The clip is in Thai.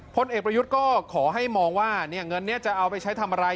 พลเอกประยุทธ์ก็ขอให้มองว่าเงินนี้จะเอาไปใช้ทำอะไร